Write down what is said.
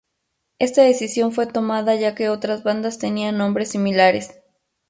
Esta decisión fue tomada ya que otras bandas tenían nombres similares.